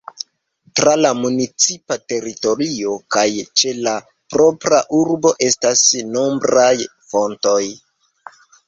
Tra la municipa teritorio kaj ĉe la propra urbo estas nombraj fontoj.